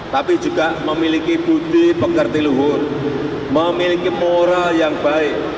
tapi juga memiliki budi pekerti luhut memiliki moral yang baik